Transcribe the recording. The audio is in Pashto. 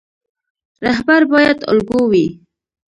رهبر باید الګو وي